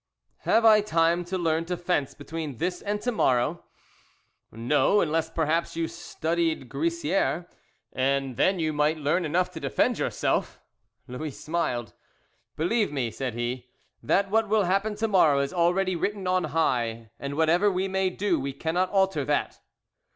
"Have I time to learn to fence between this and to morrow?" "No, unless, perhaps, you studied Grissier, and then you might learn enough to defend yourself." Louis smiled. "Believe me," said he, "that what will happen tomorrow is already written on high, and whatever we may do we cannot alter that."